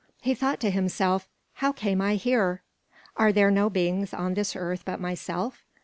He thought to himself: "How came I here? Are there no beings on this earth but myself?